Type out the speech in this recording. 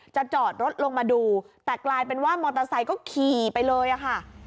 จอดรถลงมาดูแต่กลายเป็นว่ามอเตอร์ไซค์ก็ขี่ไปเลยอะค่ะ